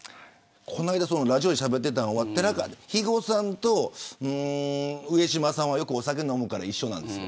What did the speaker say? こないだラジオでしゃべっていたのは肥後さんと上島さんはよくお酒飲むから一緒なんです。